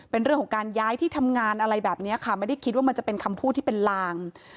เป็นเรื่องของการย้ายที่ทำงานอะไรแบบนี้ค่ะไม่ได้คิดว่ามันจะเป็นคำพูดที่เป็นลาง